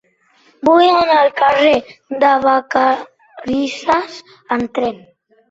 Vull anar al carrer de Vacarisses amb tren.